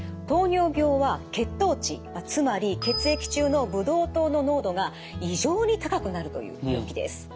糖尿病は血糖値つまり血液中のブドウ糖の濃度が異常に高くなるという病気です。